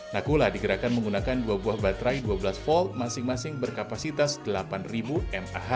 nakula digerakkan menggunakan dua buah baterai dua belas volt masing masing berkapasitas delapan mah